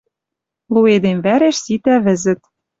Лу эдем вӓреш ситӓ вӹзӹт.